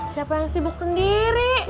siapa yang sibuk sendiri